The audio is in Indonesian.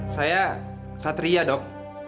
saya satria dok